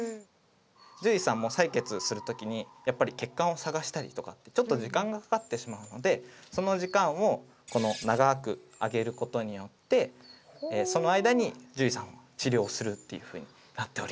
獣医さんも採血する時にやっぱり血管を探したりとかってちょっと時間がかかってしまうのでその時間を長くあげることによってその間に獣医さんは治療するっていうふうになっております。